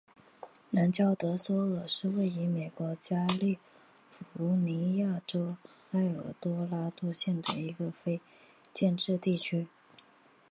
兰乔德索尔是位于美国加利福尼亚州埃尔多拉多县的一个非建制地区。